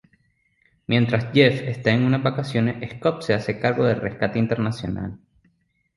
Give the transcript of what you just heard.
Mientras Jeff está en unas vacaciones, Scott se hace cargo de Rescate Internacional.